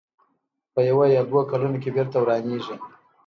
په یوه یا دوو کلونو کې بېرته ورانېږي.